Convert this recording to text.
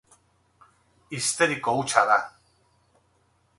Histeriko hutsa da.